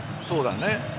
そうだね。